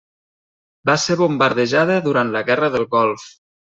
Va ser bombardejada durant la guerra del golf.